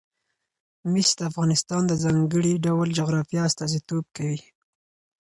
مس د افغانستان د ځانګړي ډول جغرافیه استازیتوب کوي.